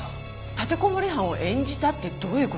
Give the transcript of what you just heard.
立てこもり犯を演じたってどういう事？